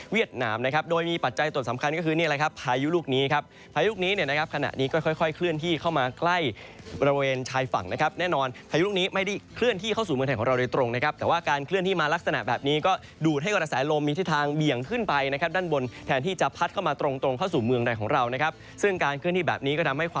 เวียดนามนะครับโดยมีปัจจัยตรวจสำคัญก็คือนี่อะไรครับพายุลูกนี้ครับพายุลูกนี้เนี่ยนะครับขณะนี้ค่อยค่อยค่อยเคลื่อนที่เข้ามาใกล้บริเวณชายฝั่งนะครับแน่นอนพายุลูกนี้ไม่ได้เคลื่อนที่เข้าสู่เมืองแถนของเราโดยตรงนะครับแต่ว่าการเคลื่อนที่มาลักษณะแบบนี้ก็ดูดให้กรรษาลมมีที่ทางเบี่ยงขึ้นไปนะครับด